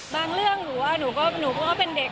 บางเรื่องหนูก็เป็นเด็ก